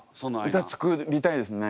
歌作りたいですね。